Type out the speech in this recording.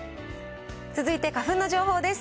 続いて花粉の情報です。